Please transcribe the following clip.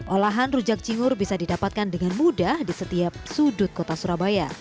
olahan rujak cingur bisa didapatkan dengan mudah di setiap sudut kota surabaya